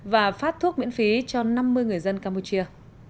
và phát thuốc miễn phí cho năm mươi người dân campuchia